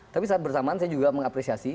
tapi saat bersamaan saya juga mengapresiasi